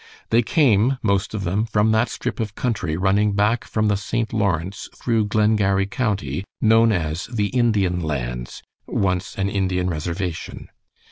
They came, most of them, from that strip of country running back from the St. Lawrence through Glengarry County, known as the Indian Lands once an Indian reservation.